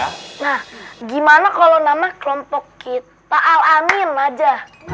nah gimana kalau nama kelompok kita al amin aja